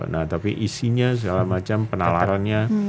nah tapi isinya segala macam penawarannya